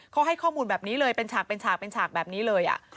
เขาให้ข้อมูลแบบนี้เลยเป็นฉากเป็นฉากเป็นฉากแบบนี้เลย